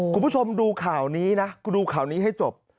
คุณผู้ชมดูข่าวนี้นะดูข่าวนี้ให้จบ